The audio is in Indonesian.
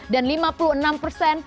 dan lima puluh enam persen